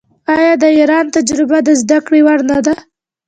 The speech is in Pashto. آیا د ایران تجربه د زده کړې وړ نه ده؟